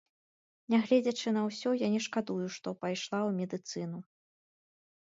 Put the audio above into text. Нягледзячы на ўсё я не шкадую, што пайшла ў медыцыну.